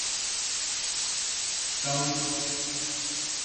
Cursó la educación básica en instituciones públicas en el estado de Oaxaca.